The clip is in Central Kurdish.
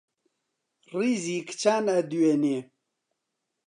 ڕیزی کچان ئەدوێنێ